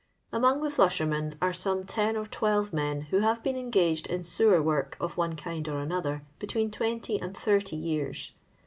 Among the fliuhermen are some ten or twelve men who have bi>en engaged in sewer work of one kind or another between 20 and 30 years.